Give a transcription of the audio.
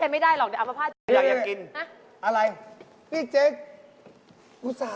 ไม่เต้นเหรอเจ๊